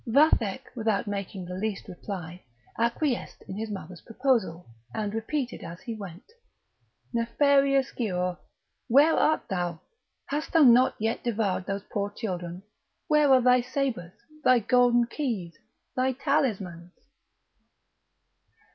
Vathek, without making the least reply, acquiesced in his mother's proposal, and repeated as he went: "Nefarious Giaour! where art thou! hast thou not yet devoured those poor children? where are thy sabres? thy golden key? thy talismans?"